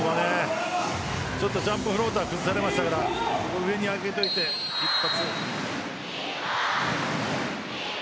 ちょっとジャンプフローター崩されましたから上に上げておいて一発。